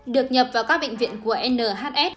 được nhập vào các bệnh viện của nhs